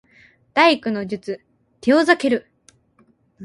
第九の術テオザケル